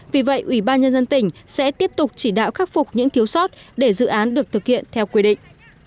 vì vậy ủy ban nhân dân tỉnh sẽ tiếp tục chỉ đạo khắc phục những thiếu sót để dự án được thực hiện theo quy định